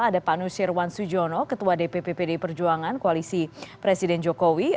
ada pak nusir wan sujono ketua dpp pd perjuangan koalisi presiden jokowi